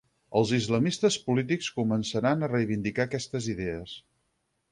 Els islamistes polítics començaran a reivindicar aquestes idees.